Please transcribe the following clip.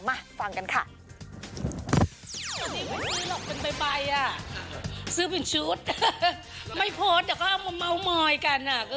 มาฟังกันค่ะ